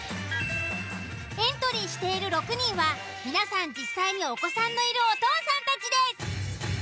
エントリーしている６人は皆さん実際にお子さんのいるお父さんたちです。